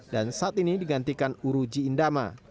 dan saat ini digantikan uruji indama